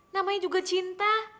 namanya juga cinta